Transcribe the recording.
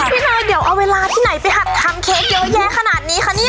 อ่านี่ไงพี่นายเอาเวลาที่ไหนไปหัดทำเค้กเยอะแยะขนาดนี้ค่ะนี่